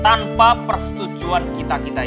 tanpa persetujuan kita kita